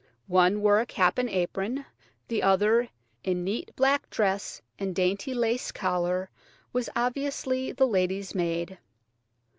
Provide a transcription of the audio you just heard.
One wore a cap and apron, the other, in neat black dress and dainty lace collar, was obviously the lady's maid.